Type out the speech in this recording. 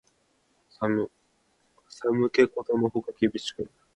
寒気ことのほか厳しく